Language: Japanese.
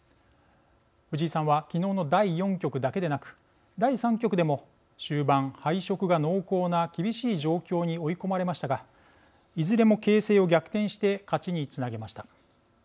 藤井さんは昨日の第４局だけでなく第３局でも終盤敗色が濃厚な厳しい状況に追い込まれましたがいずれも形勢を逆転して勝ちにつなげました。